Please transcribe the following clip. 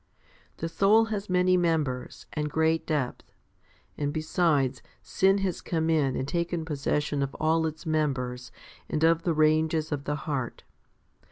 The soul has many members, and great depth; and besides, sin has come in and taken possession of all its members and of the ranges of the heart.